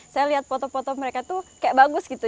saya lihat foto foto mereka tuh kayak bagus gitu